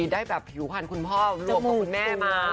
ได้แบบผิวพันธุ์คุณพ่อรวมกับคุณแม่มา